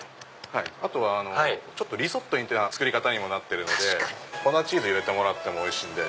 あとはリゾットに似た作り方にもなってるので粉チーズ入れてもらってもおいしいんで。